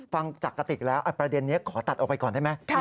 ฟังจากกติกแล้วประเด็นนี้ขอตัดออกไปก่อนได้ไหม